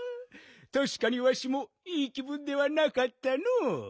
たしかにわしもいい気ぶんではなかったのう。